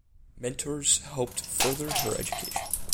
Mentors helped further her education.